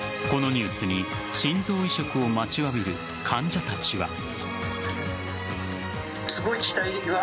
このニュースに心臓移植を待ちわびる患者たちは。